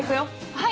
はい！